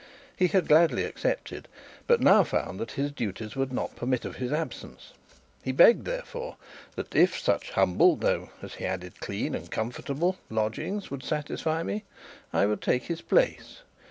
He had gladly accepted, but now found that his duties would not permit of his absence. He begged therefore that, if such humble (though, as he added, clean and comfortable) lodgings would satisfy me, I would take his place.